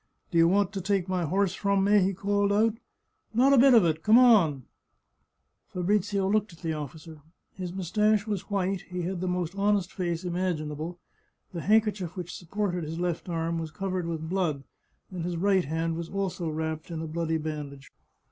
" Do you want to take my horse from me ?" he called out. " Not a bit of it ! Come on !" Fabrizio looked at the officer. His mustache was white, he had the most honest face imaginable, the handker chief which supported his left arm was covered with blood, and his right hand was also wrapped in a bloody bandage.